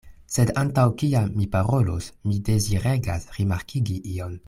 Sed antaŭ kiam mi parolos, mi deziregas rimarkigi ion.